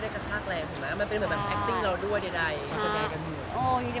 เอาเรื่องต่อไป